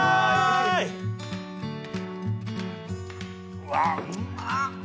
うわうまっ！